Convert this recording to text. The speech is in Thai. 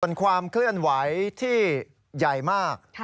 ส่วนความเคลื่อนไหวที่ใหญ่มาก